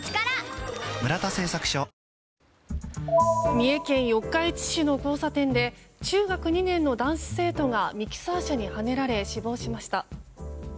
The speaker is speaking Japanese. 三重県四日市市の交差点で中学２年の男子生徒がミキサー車にはねられ死亡しました。